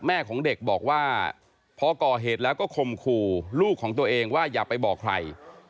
แม่ของเด็กบอกว่าพอก่อเหตุแล้วก็คมขู่ลูกของตัวเองว่าอย่าไปบอกใคร